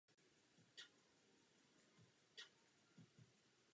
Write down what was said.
Utrpení postižených lidí vyvolalo celosvětovou humanitární reakci.